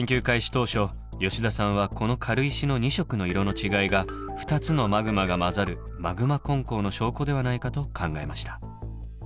当初吉田さんはこの軽石の２色の色の違いが２つのマグマが混ざる「マグマ混交」の証拠ではないかと考えました。